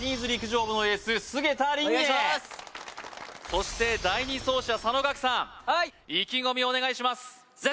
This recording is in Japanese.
そして第２走者佐野岳さんはい意気込みをお願いします